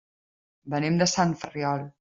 Venim de Sant Ferriol.